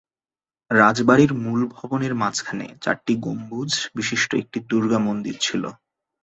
রাজবাড়ির মূল ভবনের মাঝখানে চারটি গম্বুজ বিশিষ্ট একটি দুর্গা মন্দির ছিল।